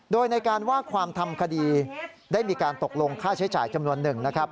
โดยในการว่าความทำคดีได้มีการตกลงค่าใช้จ่ายจำนวนหนึ่งนะครับ